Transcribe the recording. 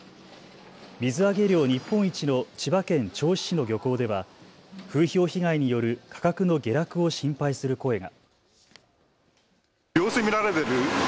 水揚げ量日本一の千葉県銚子市の漁港では風評被害による価格の下落を心配する声が。